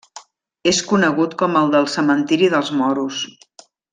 És conegut com el del Cementiri dels Moros.